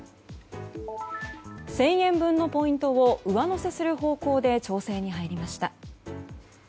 １０００円分のポイントを上乗せする方向で調整に入りました。